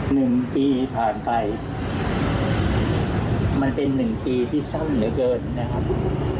หนึ่งปีผ่านไปมันเป็นหนึ่งปีที่สั้นเหลือเกินนะครับ